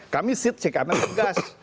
kami sit si kami bergas